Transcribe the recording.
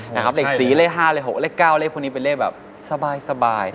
เลขสีเลขห้าเลขหกเลขเก้าเลขพวกนี้เป็นเลขแบบสบาย